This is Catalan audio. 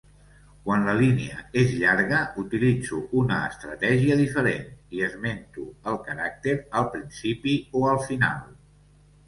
Quan la línia és llarga, utilitzo una estratègia diferent i esmento el caràcter al principi o al final.